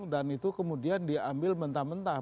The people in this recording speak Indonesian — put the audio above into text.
dan itu kemudian diambil mentah mentah